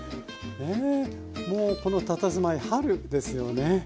もうこのたたずまい春ですよね。